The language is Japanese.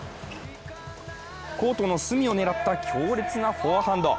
コートの隅を狙った強烈なフォアハンド。